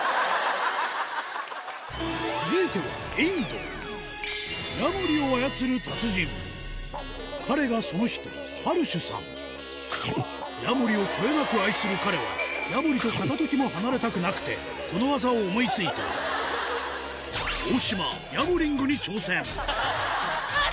続いては彼がその人ハルシュさんヤモリをこよなく愛する彼はヤモリと片時も離れたくなくてこの技を思いついた大島あぁ！